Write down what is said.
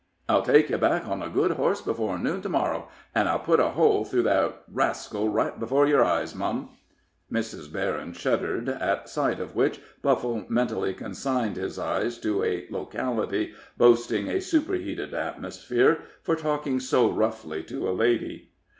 I'll take you back on a good horse before noon to morrow, and I'll put a hole through that rascal right before your eyes, mum." Mrs. Berryn shuddered, at sight of which Buffle mentally consigned his eyes to a locality boasting a superheated atmosphere, for talking so roughly to a lady.